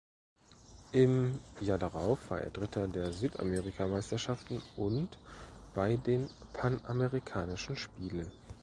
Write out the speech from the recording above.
Im Jahr darauf war er Dritter der Südamerikameisterschaften und bei den Panamerikanischen Spielen.